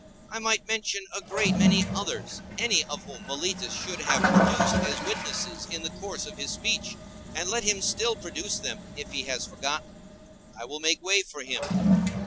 I might mention a great many others, any of whom Meletus should have produced as witnesses in the course of his speech; and let him still produce them, if he has forgotten; I will make way for him.